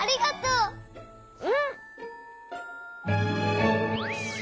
うん！